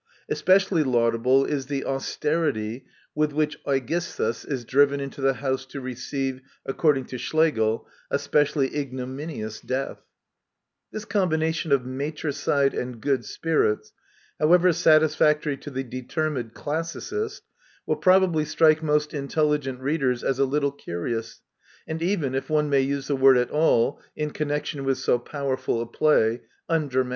Espe cially laudable is the "austerity" with which Aegisthus is driven into the house to receive, according to Schlegel, a specially ignominious death 1 This combination of matricide and good spirits, however satisfactory to the determined classicist, will probably strike most intelligent readers as a little curious, and even, if one may use the word at all in connection with so powerful a play, undramatic.